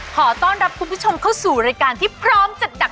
ขอต้อนรับคุณผู้ชมเข้าสู่รายการที่พร้อมจัดหนัก